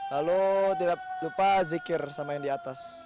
lalu tidak lupa zikir sama yang di atas